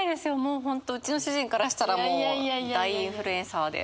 うちの主人からしたらもう大インフルエンサーで。